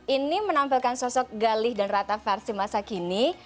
ini menampilkan sosok galih dan rata versi masa kini